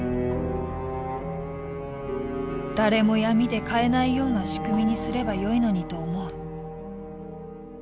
「誰も闇で買えないような仕組みにすればよいのにと思う」。